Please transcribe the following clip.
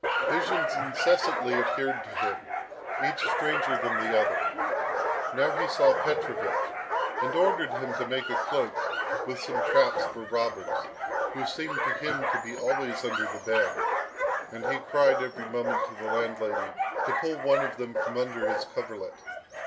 Visions incessantly appeared to him, each stranger than the other. Now he saw Petrovich, and ordered him to make a cloak, with some traps for robbers, who seemed to him to be always under the bed; and he cried every moment to the landlady to pull one of them from under his coverlet.